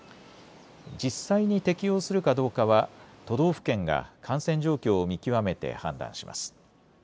実際に適用するかどうかは都道府県が感染状況を見極めて判断します。